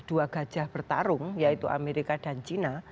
dua gajah bertarung yaitu amerika dan china